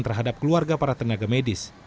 terhadap keluarga para tenaga medis